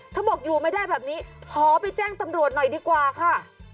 บอกอยู่ไม่ได้แบบนี้ขอไปแจ้งตำรวจหน่อยดีกว่าค่ะ